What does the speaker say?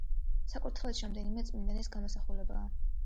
საკურთხეველში რამდენიმე წმინდანის გამოსახულებაა.